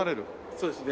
そうですね